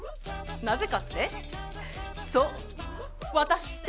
なぜかって？